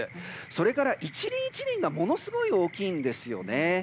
それから、１輪１輪がものすごい大きいんですよね。